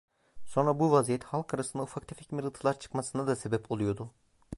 Sonra bu vaziyet, halk arasında ufak tefek mırıltılar çıkmasına da sebep oluyordu…